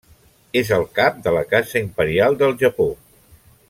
És el cap de la casa imperial del Japó.